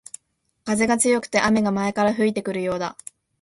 風が強くて雨が前から吹いてくるようだ